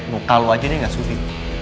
bahkan muka lo aja dia ga sudi